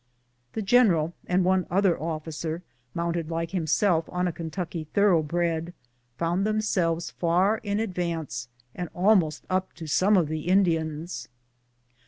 The general, and one other officer mounted like himself on a Ken tucky tliorough bred, found themselves far in advance, and almost up to some of the Indians.